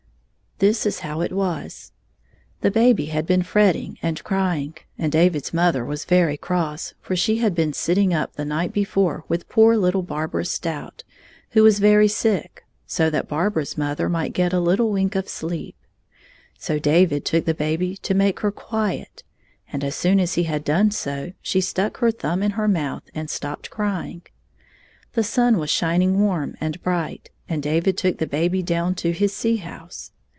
This is how it was : the baby had been firetting and crying, and David's mother was very cross, for she had been sitting up the night before with poor httle Barbara Stout, who was very sick, so that Barbara's mother might get a httle wink of sleep. So David took the baby to make her quiet, and as soon as he had done so, she stuck her thumb in her mouth and stopped crpng. The sun was shining warm and bright, and David took the baby down to his sea house.